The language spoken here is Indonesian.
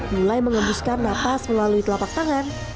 mulai mengembuskan nafas melalui telapak tangan